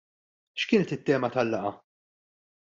X'kienet it-tema tal-laqgħa?